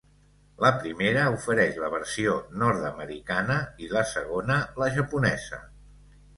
La primera ofereix la versió nord-americana i la segona la japonesa.